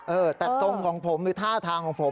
เออแต่ทรงของผมหรือท่าทางของผม